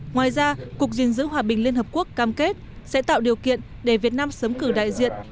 ngoài ra cục diện giữ hòa bình liên hợp quốc cam kết sẽ tạo điều kiện để việt nam sớm cử đại diện